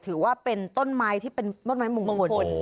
ถือว่าเป็นต้นไม้ที่เป็นต้นไม้มงคล